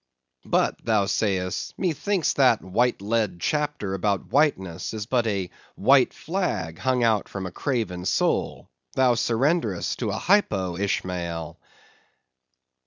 But thou sayest, methinks that white lead chapter about whiteness is but a white flag hung out from a craven soul; thou surrenderest to a hypo, Ishmael.